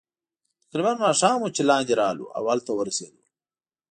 تقریباً ماښام وو چې لاندې راغلو، او هلته ورسېدو.